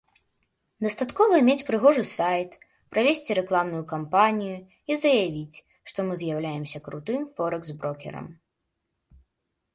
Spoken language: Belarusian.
Дастаткова мець прыгожы сайт, правесці рэкламную кампанію і заявіць, што мы з'яўляемся крутым форэкс-брокерам.